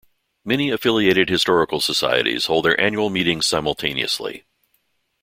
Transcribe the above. Many affiliated historical societies hold their annual meetings simultaneously.